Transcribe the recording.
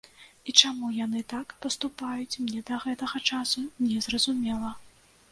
І чаму яны так паступаюць, мне да гэтага часу не зразумела.